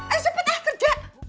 ayo cepet ah kerja